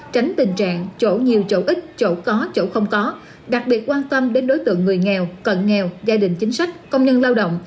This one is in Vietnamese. tránh tình trạng chỗ nhiều chỗ ít chỗ có chỗ không có đặc biệt quan tâm đến đối tượng người nghèo cận nghèo gia đình chính sách công nhân lao động